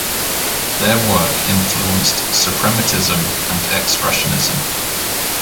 Their work influenced suprematism and expressionism.